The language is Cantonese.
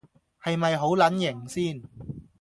係咪好撚型先